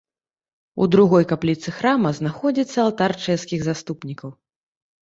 У другой капліцы храма знаходзіцца алтар чэшскіх заступнікаў.